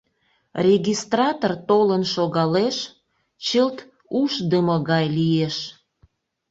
Регистратор толын шогалеш, чылт ушдымо гай лиеш.